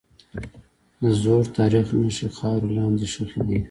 د زوړ تاریخ نښې خاورې لاندې ښخي دي.